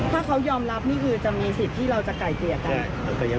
ถ้าเขายอมรับนี่คือจะมีสิทธิ์ที่เราจะไก่เกลียดได้